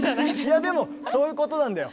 いやでもそういうことなんだよ。